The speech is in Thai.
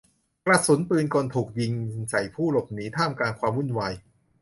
กระสุนปืนกลถูกยิงใส่ผู้หลบหนีท่ามกลางความวุ่นวาย